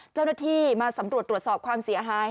เจ้าหน้าที่มาสำรวจตรวจสอบความเสียหาย